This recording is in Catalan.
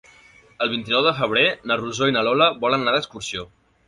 El vint-i-nou de febrer na Rosó i na Lola volen anar d'excursió.